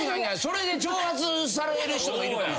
それで挑発される人もいるかも。